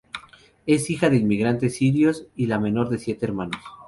Es hija de inmigrantes sirios y la menor de siete hermanos.